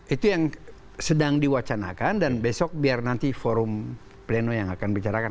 itu yang sedang diwacanakan dan besok biar nanti forum pleno yang akan dibicarakan